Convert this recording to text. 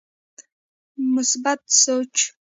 مثبت سوچ